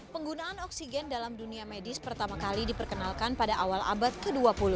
penggunaan oksigen dalam dunia medis pertama kali diperkenalkan pada awal abad ke dua puluh